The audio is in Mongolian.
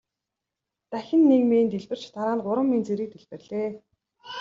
Дахин нэг мин дэлбэрч дараа нь гурван мин зэрэг дэлбэрлээ.